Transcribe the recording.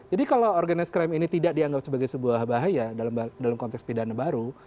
jadi kalau organis crime ini tidak dianggap sebagai sebuah bahaya dalam konteks pidana baru